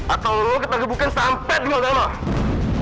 atau lo ketagih bukan sampai dengan mama